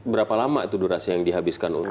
berapa lama itu durasi yang dihabiskan untuk